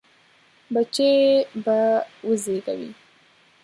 بچي به وزېږوي.